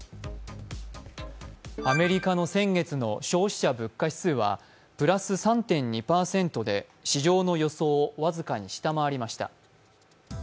アメリカの先月の消費者物価指数はプラス３．２％で市場の予想を僅かに下回りました。